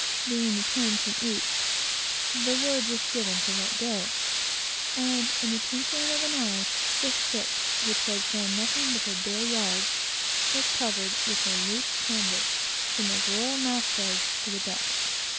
being returned from each, the word was given to let go; and in the twinkling of an eye, the ship, which had shown nothing but her bare yards, was covered with her loose canvas, from the royal mast heads to the decks.